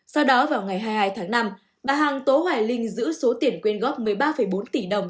sau đó vào ngày hai mươi hai tháng năm bà hằng tố hoài linh giữ số tiền quyên góp một mươi ba bốn tỷ đồng